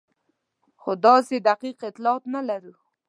خو داسې دقیق اطلاعات نه وو.